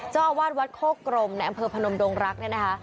เจ้าอาวาสวัดโครกกรมในอำเภอพนมดงรักษ์